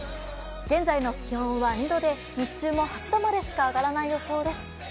現在の気温は２度で、日中も８度までしか上がらない予想です。